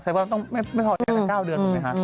แต่ว่าต้องไม่พออยู่กัน๙เดือนถูกไหมคะ